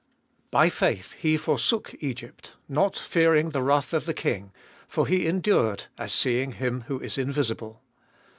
By faith tie forsook Egypt, not fearing the wrath of the king: for he endured, as seeing him who is invisible.